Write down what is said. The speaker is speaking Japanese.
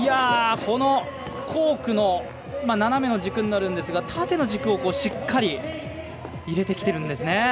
このコークの斜めの軸になるんですが縦の軸をしっかり入れてきてるんですね。